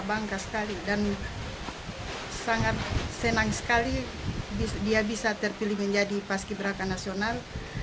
bangga sekali dan sangat senang sekali dia bisa terpilih menjadi paski beraka nasional